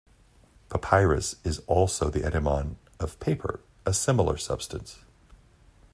"Papyrus" is also the etymon of 'paper', a similar substance.